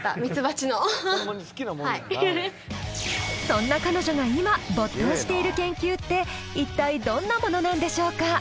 そんな彼女が今没頭している研究って一体どんなものなんでしょうか。